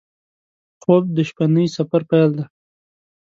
خوب د شپهني سفر پیل دی